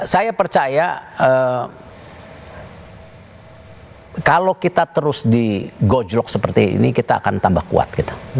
saya percaya kalau kita terus di gojlok seperti ini kita akan tambah kuat